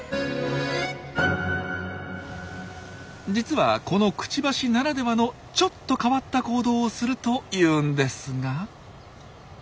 実はこのくちばしならではのちょっと変わった行動をするというんですが。